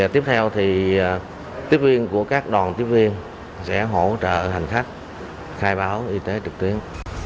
tiếp theo thì tiếp viên của các đoàn tiếp viên sẽ hỗ trợ hành khách khai báo y tế trực tuyến